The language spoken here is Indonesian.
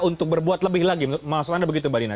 untuk berbuat lebih lagi maksud anda begitu mbak dina